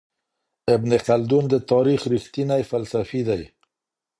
ابن خلدون د تاريخ رښتينی فلسفي دی.